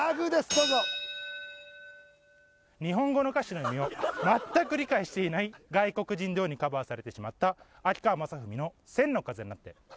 どうぞ日本語の歌詞の意味を全く理解していない外国人デュオにカバーされてしまった秋川雅史の「千の風になって」